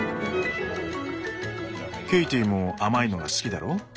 ケイティも甘いのが好きだろう？